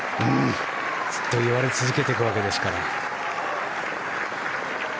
ずっと言われ続けていくわけですから。